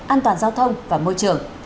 an toàn giao thông và môi trường